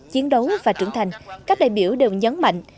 chiến đấu và trưởng thành các đại biểu đều nhấn mạnh